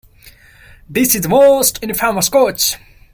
This a most infamous coach.